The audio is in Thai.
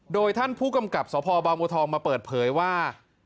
โดยท่านผู้กำกับสพบางบัวทองมาเปิดเผยว่า